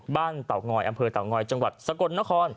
บ้านเต๋างอยอำเภอเต๋างอยจังหวัดสะกดนคร